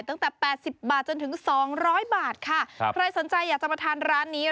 ตั้งแต่แปดสิบบาทจนถึงสองร้อยบาทค่ะครับใครสนใจอยากจะมาทานร้านนี้